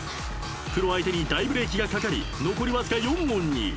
［プロ相手に大ブレーキがかかり残りわずか４問に］